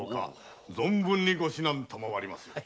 存分にご指南を賜りますように。